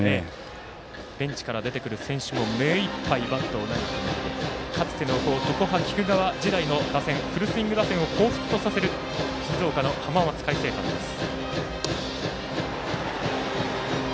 ベンチから出てくる選手も目いっぱいバットを長く持ってかつての常葉菊川時代のフルスイング打線をほうふつとさせる静岡の浜松開誠館です。